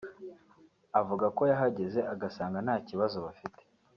avuga ko yahageze agasanga nta kibazo bafite